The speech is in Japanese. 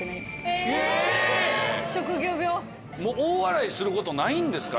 大笑いすることないんですか？